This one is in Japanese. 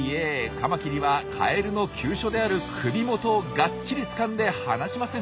カマキリはカエルの急所である首元をがっちりつかんで離しません。